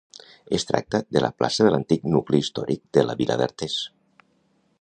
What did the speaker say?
Es tracta de la plaça de l'antic nucli històric de la vila d'Artés.